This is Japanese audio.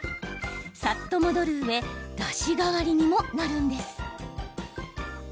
さっと戻るうえだし代わりにもなるんです。